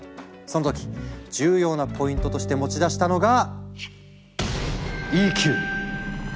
その時重要なポイントとして持ち出したのが「ＥＱ」！